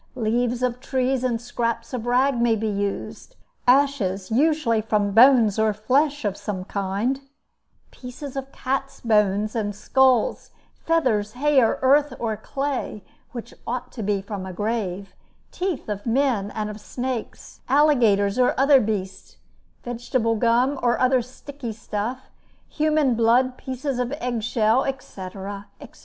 Leaves of trees and scraps of rag may be used; ashes, usually from bones or flesh of some kind; pieces of cats' bones and skulls, feathers, hair, earth, or clay, which ought to be from a grave; teeth of men and of snakes, alligators or other beasts; vegetable gum, or other sticky stuff; human blood, pieces of eggshell, etc., etc.